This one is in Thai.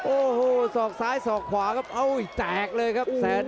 โอ้โหสอกซ้ายสอกขวาครับโอ้ยแตกเลยครับแสน